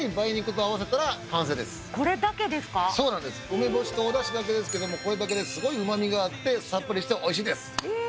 梅干しとおだしだけですけどもこれだけですごいうま味があってさっぱりしておいしいです。